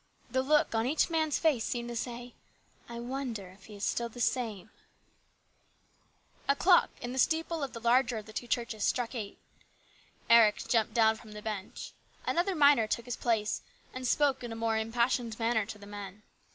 The look on each man's face seemed to say, " I wonder if he is still the same ?" A clock in the steeple of the larger of the two churches struck eight. Eric jumped down from the bench ; another miner took his place, and spoke in a more impassioned manner to the men.